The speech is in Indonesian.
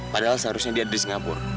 padahal seharusnya dia di singapura